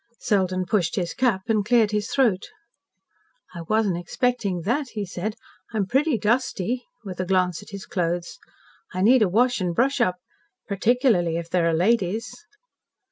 Selden pushed his cap and cleared his throat. "I wasn't expecting that," he said. "I'm pretty dusty," with a glance at his clothes. "I need a wash and brush up particularly if there are ladies."